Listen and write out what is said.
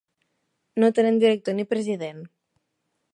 No tenen director ni president.